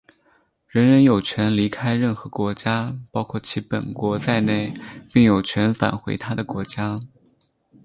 人人有权离开任何国家,包括其本国在内,并有权返回他的国家。